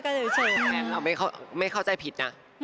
เราไม่เข้าใจผิดนะ